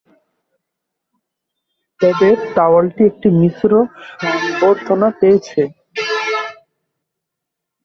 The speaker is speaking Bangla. তবে টাওয়ারটি একটি মিশ্র সংবর্ধনা পেয়েছে।